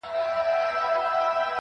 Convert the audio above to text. دادی اوس هم کومه، بيا کومه، بيا کومه,